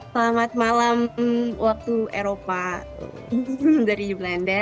selamat malam waktu eropa dari belanda